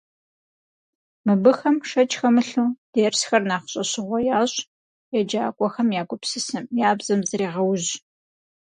Мыбыхэм, шэч хэмылъу, дерсхэр нэхъ щӏэщыгъуэ ящӏ, еджакӏуэхэм я гупсысэм, я бзэм зрегъэужь.